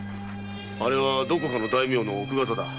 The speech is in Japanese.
あれはどこぞの大名の奥方だ。